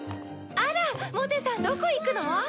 あら茂手さんどこ行くの？